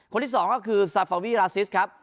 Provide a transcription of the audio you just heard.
คนที่สองก็คือซาฟาวีราซิสครับ